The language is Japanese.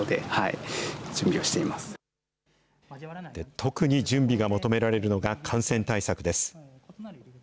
特に準備が求められるのが感染対策です。